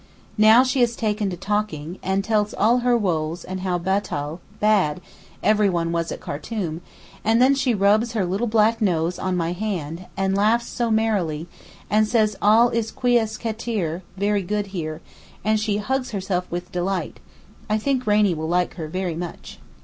Now she has taken to talking, and tells all her woes and how batal (bad) everyone was at Khartoum; and then she rubs her little black nose on my hand, and laughs so merrily, and says all is quyis keteer (very good) here, and she hugs herself with delight. I think Rainie will like her very much.